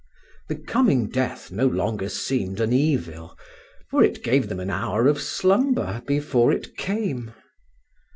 The coming death no longer seemed an evil, for it gave them an hour of slumber before it came.